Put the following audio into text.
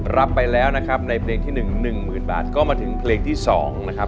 หลับไปแล้วนะครับในเพลงที่๑หนึ่งหมื่นบาทก็มาถึงเพลงที่สองนะครับ